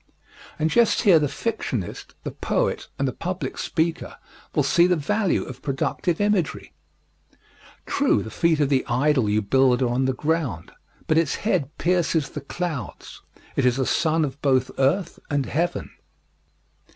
And just here the fictionist, the poet, and the public speaker will see the value of productive imagery. True, the feet of the idol you build are on the ground, but its head pierces the clouds, it is a son of both earth and heaven.